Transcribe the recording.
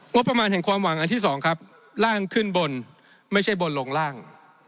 งบประมาณแห่งความหวังอันที่สองครับร่างขึ้นบนไม่ใช่บนลงล่าง